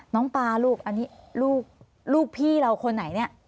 น้องปลาลูกอันนี้ลูกพี่เราคนไหนเนี่ย